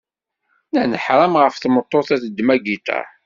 Nnan ḥṛam ɣef tmeṭṭut ad teddem agiṭar.